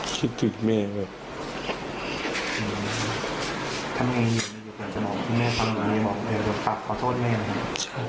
คิดถึงแม่แหละ